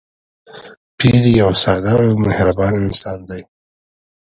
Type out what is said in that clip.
پییر یو ساده او مهربان انسان دی.